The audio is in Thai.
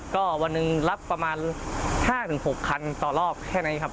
ก็วันหนึ่งรับประมาณ๕๖คันต่อรอบแค่นี้ครับ